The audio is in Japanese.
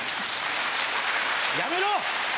やめろ！